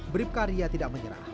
bribka ria tidak menyerah